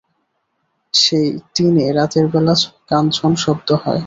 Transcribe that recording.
সেই টিনে রাতের বেলা কানঝন শব্দ হয়।